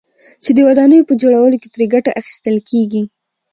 چې د ودانيو په جوړولو كې ترې گټه اخيستل كېږي،